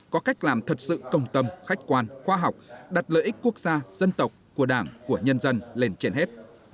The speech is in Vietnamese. có cách làm thật sự công tâm khách quan khoa học đặt lợi ích quốc gia dân tộc của đảng của nhân dân lên trên hết